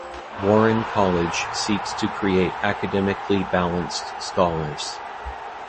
Warren College seeks to create academically balanced scholars.